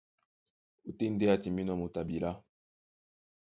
Ótên ndé á timbínɔ́ moto a bilá.